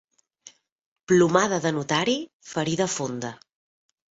Plomada de notari, ferida fonda.